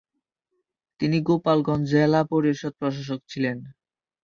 তিনি গোপালগঞ্জ জেলা পরিষদ প্রশাসক ছিলেন।